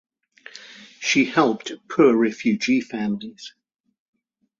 She helped poor refugee families.